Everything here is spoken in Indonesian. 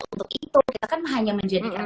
untuk itu kita kan hanya menjadikan